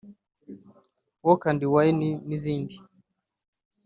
Walk And Wine n’izindi